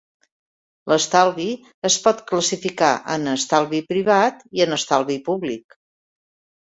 L'estalvi es pot classificar en estalvi privat i en estalvi públic.